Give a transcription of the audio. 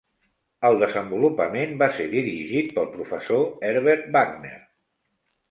El desenvolupament va ser dirigit pel professor Herbert Wagner.